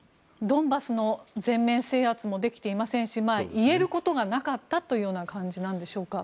ドンバスの全面制圧もできていませんし言えることがなかったというような感じなんでしょうか。